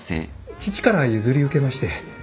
父から譲り受けまして。